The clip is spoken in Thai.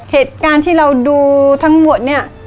เหตุการณ์ที่เราดูทั้งหมดเนี่ย